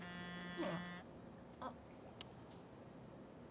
あっ。